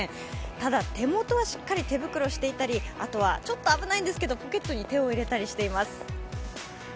ただ、手元はしっかり手袋をしていたりあとはちょっと危ないんですけどポケットに手を入れたりしています。